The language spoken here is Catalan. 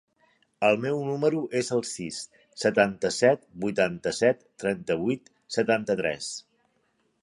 El meu número es el sis, setanta-set, vuitanta-set, trenta-vuit, setanta-tres.